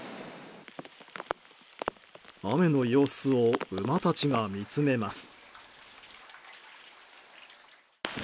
雨の様子を馬たちが見つめます。